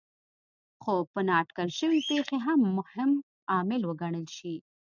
خو په نااټکل شوې پېښې هم مهم عامل وګڼل شي.